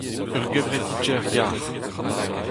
Ur gevredigezh yac'h.